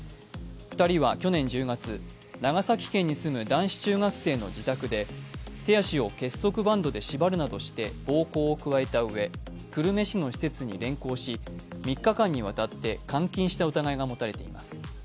２人は去年１０月、長崎県に住む男子中学生の自宅で手足を結束バンドで縛るなどして暴行を加えたうえ、久留米市の施設に連行し、３日間にわたって監禁した疑いが持たれています。